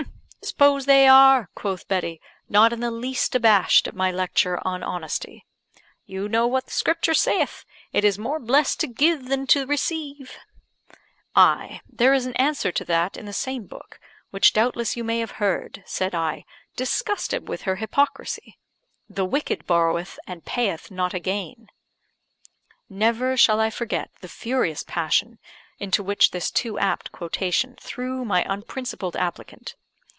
"S'pose they are," quoth Betty, not in the least abashed at my lecture on honesty, "you know what the Scripture saith, 'It is more blessed to give than to receive.'" "Ay, there is an answer to that in the same book, which doubtless you may have heard," said I, disgusted with her hypocrisy, "'The wicked borroweth, and payeth not again.'" Never shall I forget the furious passion into which this too apt quotation threw my unprincipled applicant.